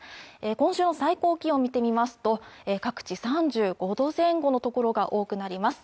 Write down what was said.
今週の最高気温見てみますと各地３５度前後の所が多くなります